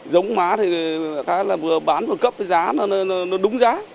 giống má thì cái là vừa bán vừa cấp cái giá nó đúng giá